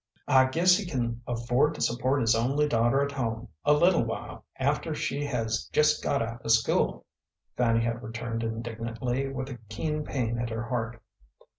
"I guess he can afford to support his only daughter at home a little while after she has just got out of school," Fanny had returned indignantly, with a keen pain at her heart.